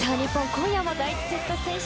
今夜も第１セット先取。